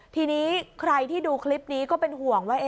ทีนี้ใครที่ดูคลิปนี้ก็เป็นห่วงว่า